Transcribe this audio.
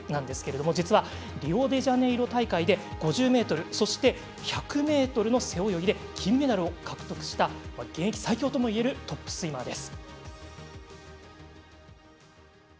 実は、リオデジャネイロ大会で５０ｍ、１００ｍの背泳ぎで金メダルを獲得した現役最強ともいえるトップスイマーです。